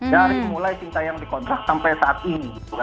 dari mulai cintayong dikontrak sampai saat ini